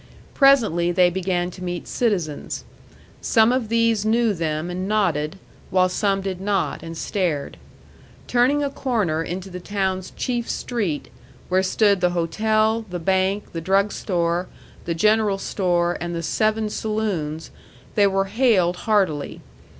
Presently they began to meet citizens. Some of these knew them and nodded, while some did not, and stared. Turning a corner into the town's chief street, where stood the hotel, the bank, the drug store, the general store, and the seven saloons, they were hailed heartily.